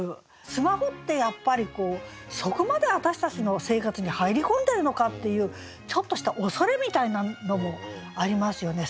スマホってやっぱりそこまで私たちの生活に入り込んでるのかっていうちょっとした恐れみたいなのもありますよね。